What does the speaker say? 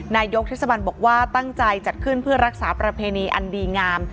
นายกเทศบันบอกว่าตั้งใจจัดขึ้นเพื่อรักษาประเพณีอันดีงาม